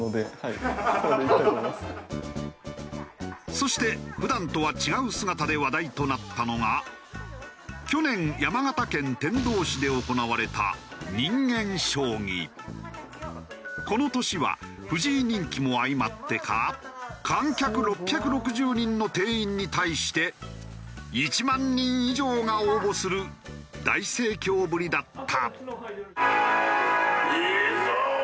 そして普段とは違う姿で話題となったのが去年山形県天童市で行われたこの年は藤井人気も相まってか観客６６０人の定員に対して１万人以上が応募する大盛況ぶりだった。